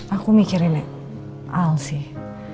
aku mikirin al sih